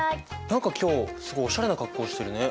何か今日すごいおしゃれな格好してるね。